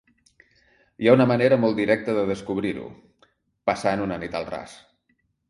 Hi ha una manera molt directa de descobrir-ho: passant una nit al ras.